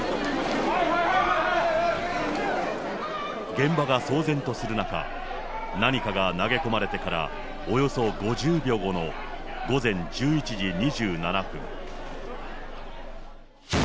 現場が騒然とする中、何かが投げ込まれてからおよそ５０秒後の午前１１時２７分。